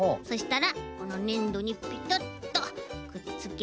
そしたらこのねんどにペタッとくっつけて。